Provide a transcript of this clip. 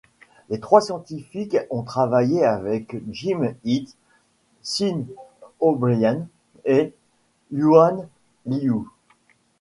Les trois scientifiques ont travaillé avec Jim Heath, Sean O'Brien et Yuan Liu.